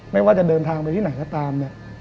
ไม่ว่าจะเดินทางไปที่ไหนก็ตามเนี่ย